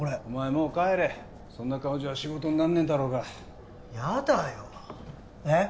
もう帰れそんな顔じゃ仕事になんねえだろうがやだよで？